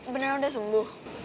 beneran udah sembuh